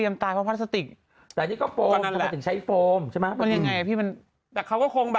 มันจะได้ใช้เวลา